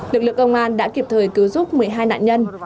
lực lượng công an đã kịp thời cứu giúp một mươi hai nạn nhân